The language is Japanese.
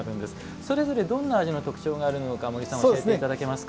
それぞれどんな味の特徴があるか教えていただけますか？